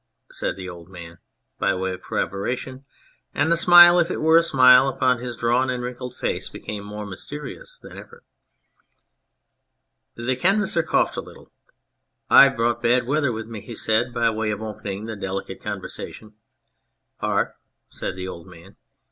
said the old man, by way of corroboration ; and the smile if it were a smile upon his drawn and wrinkled face became more mysterious than ever. The Canvasser coughed a little. " I've brought bad weather with me," he said, by way of opening the delicate conversation. " Ar !" said the old man.